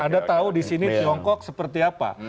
anda tahu di sini tiongkok seperti apa